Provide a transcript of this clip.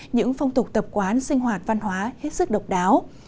những phong tục tập quán sinh hoạt văn hóa hết sức độc đáo